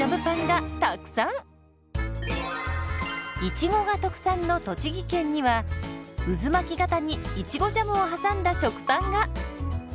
いちごが特産の栃木県には渦巻き型にいちごジャムを挟んだ食パンが！